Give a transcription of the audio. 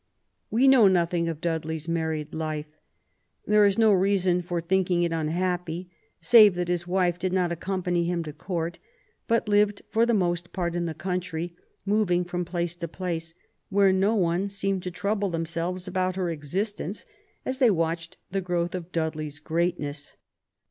We know nothing of Dudley's married life. There is no reason for thinking it un happy, save that his wife did not accompany him to Court, but lived for the most part in the country, moving from place to place, where no one seemed to trouble themselves about her existence, as they PROBLEMS Of THE RBlGU. 65 watched the growth of Dudley's greatness.